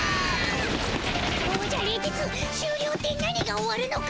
おじゃ冷徹しゅうりょうって何が終わるのかの？